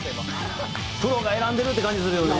プロが選んでるって感じするよね。